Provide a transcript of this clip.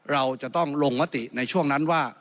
เราจะต้องลงมติในช่วงนั้นว่า